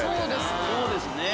そうですね